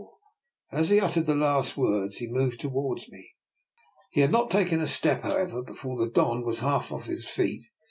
NIKOLA'S EXPERIMENT. 269 as he uttered the last words he moved to wards me. He had not taken a step, how ever, before the Don was half on his feet.